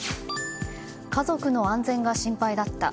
家族の安全が心配だった。